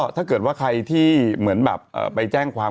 ถ้าเกิดว่าใครที่จะแจ้งความ